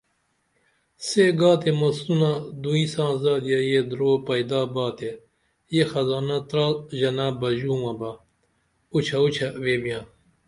سے گا تے مسونہ دوئی ساں زادیہ یہ درو پیدا بہ تے یہ خزانہ ترا ژنہ بژومہ بہ اُوچھہ اُوچھہ ویبیاں